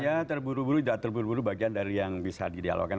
ya terburu buru tidak terburu buru bagian dari yang bisa didialogkan